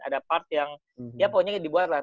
ada part yang ya pokoknya dibuat lah